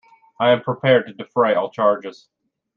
I am prepared to defray all charges.